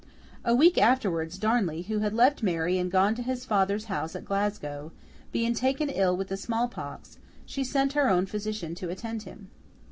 A week afterwards, Darnley, who had left Mary and gone to his father's house at Glasgow, being taken ill with the small pox, she sent her own physician to attend him.